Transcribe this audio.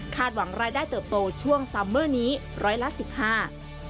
คาดหวังรายได้เติบโตช่วงซัมเมอร์นี้๑๑๕ล้านบาท